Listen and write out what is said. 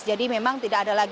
jadi memang tidak ada lagi